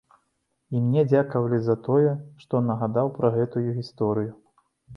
І мне дзякавалі за тое, што нагадаў пра гэтую гісторыю.